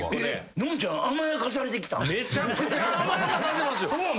めちゃくちゃ甘やかされてますよ。